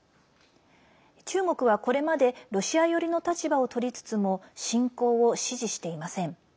中国は、これまでロシア寄りの立場をとりつつも侵攻を支持していません。